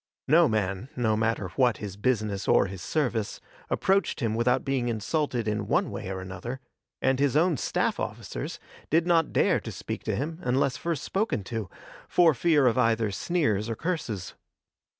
No man, no matter what his business or his service, approached him without being insulted in one way or another, and his own staff officers did not dare to speak to him unless first spoken to, for fear of either sneers or curses.